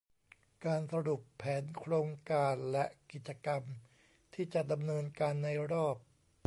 การสรุปแผนโครงการและกิจกรรมที่จะดำเนินการในรอบ